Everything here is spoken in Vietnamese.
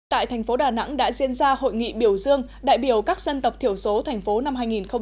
tại thành phố đà nẵng đã diễn ra hội nghị biểu dương đại biểu các dân tộc thiểu số thành phố năm hai nghìn một mươi chín